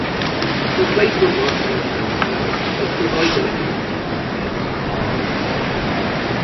Replacement works on the third rail, which provides electricity to the trains, are ongoing.